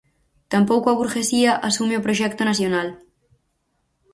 Tampouco a burguesía asume o proxecto nacional.